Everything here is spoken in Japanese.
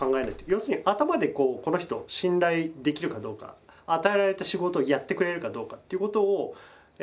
要するに頭でこの人信頼できるかどうか与えられた仕事をやってくれるかどうかということを考えるわけですね。